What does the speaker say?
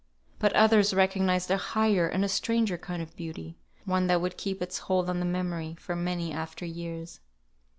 But others recognised a higher and stranger kind of beauty; one that would keep its hold on the memory for many after years.